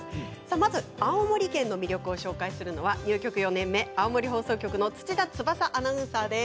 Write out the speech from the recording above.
まず青森県の魅力をご紹介するのは入局４年目青森放送局の土田翼アナウンサーです。